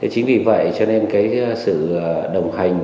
chính vì vậy cho nên sự đồng hành